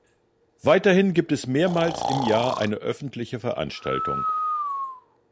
Weiterhin gibt es mehrmals im Jahr eine öffentliche Veranstaltung.